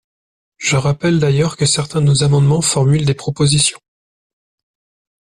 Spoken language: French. Je rappelle d’ailleurs que certains de nos amendements formulent des propositions.